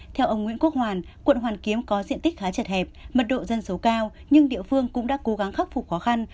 theo ông nguyễn quốc hoàn quận hoàn kiếm có diện tích khá chật hẹp mật độ dân số cao nhưng địa phương cũng đã cố gắng khắc phục khó khăn